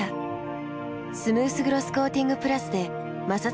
スムースグロスコーティングプラスで摩擦ダメージも低減。